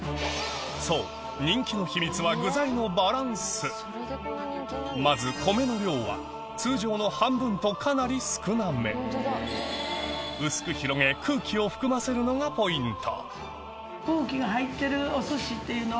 そう人気の秘密はまず米の量は通常の半分とかなり少なめ薄く広げ空気を含ませるのがポイント